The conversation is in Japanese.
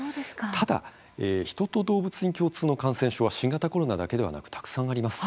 ただ、人と動物に共通の感染症は新型コロナだけではなくたくさんあります。